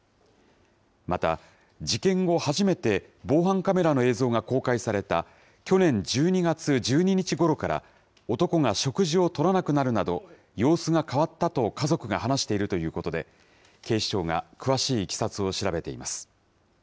また、事件後、初めて防犯カメラの映像が公開された去年１２月１２日ごろから、男が食事をとらなくなるなど、様子が変わったと家族が話しているということで、警視庁が詳しいいきさつを調べています。